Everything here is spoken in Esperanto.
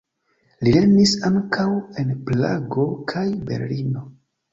Li lernis ankaŭ en Prago kaj Berlino.